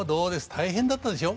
大変だったでしょ？